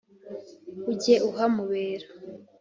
ujye uhamubera,